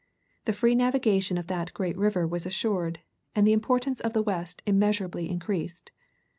The free navigation of that great river was assured, and the importance of the West immeasurably increased.